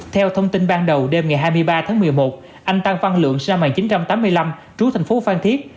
theo thông tin ban đầu đêm ngày hai mươi ba tháng một mươi một anh tăng văn lượng sinh năm một nghìn chín trăm tám mươi năm trú thành phố phan thiết